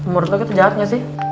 menurut lu kita jahat gak sih